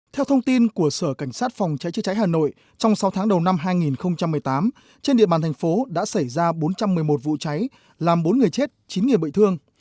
theo thông tin của sở cảnh sát phòng cháy chữa cháy hà nội trong sáu tháng đầu năm hai nghìn một mươi tám trên địa bàn thành phố đã xảy ra bốn trăm một mươi một vụ cháy làm bốn người chết chín người bị thương